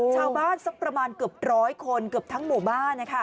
ชาวบ้านสักประมาณเกือบร้อยคนเกือบทั้งหมอบ้าน